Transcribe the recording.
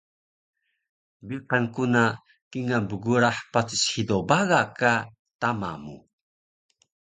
Biqan ku na kingal bgurah patis hido baga ka tama mu